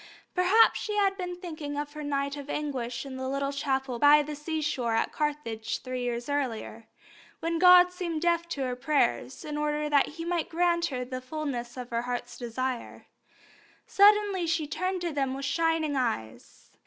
Perhaps she had been thinking of her night of anguish in the little chapel by the seashore at Carthage three years before, when God had seemed deaf to her prayers, in order that He might grant her the fulness of her heart's desire. Suddenly she turned to them with shining eyes.